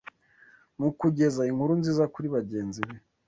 mu kugeza “inkuru nziza” kuri bagenzi be